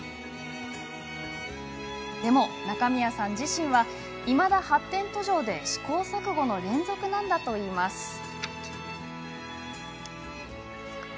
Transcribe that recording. でも中宮さん自身はいまだ発展途上で試行錯誤の連続なんだといいます。